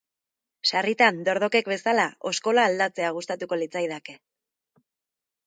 Sarritan, dortokek bezala, oskola aldatzea gustatuko litzaidake.